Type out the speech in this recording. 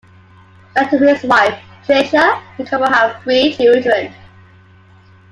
Married to his wife Tricia, the couple have three children.